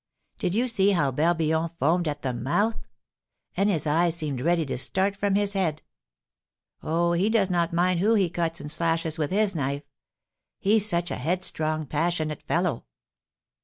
Did you see how Barbillon foamed at the mouth? and his eyes seemed ready to start from his head. Oh, he does not mind who he cuts and slashes with his knife, he's such a headstrong, passionate fellow!"